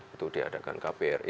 itu diadakan kpr